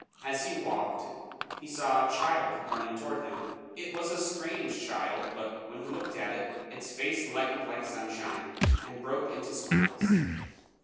As he walked, he saw a child running toward him; it was a strange child, but when he looked at it, its face lightened like sunshine, and broke into smiles.